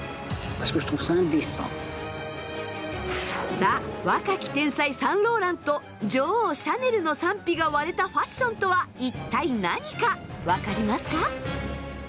さあ若き天才サンローランと女王シャネルの賛否が割れたファッションとは一体何か分かりますか？